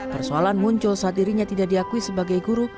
persoalan muncul saat dirinya tidak diakui sebagai guru